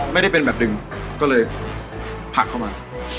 ไม่ได้เป็นแบบดึงก็เลยผลักเข้ามา